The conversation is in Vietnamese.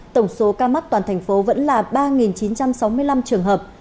tổng số ca mắc toàn thành phố vẫn là ba chín trăm sáu mươi năm trường hợp